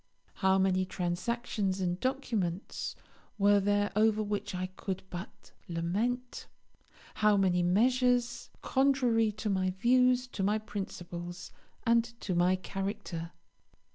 How many transactions and documents were there over which I could but lament! how many measures, contrary to my views, to my principles, and to my character!